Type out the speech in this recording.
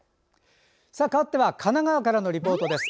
かわっては神奈川からのリポートです。